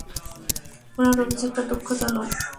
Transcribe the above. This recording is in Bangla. উনার অভিযোগটা দুঃখজনক।